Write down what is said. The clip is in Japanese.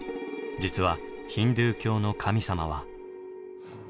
実はヒンドゥー教の神様は。